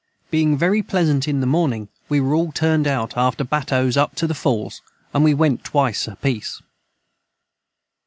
Being very pleasant in the morning we were all turned out after Battoes up to the falls & we went twice apeace.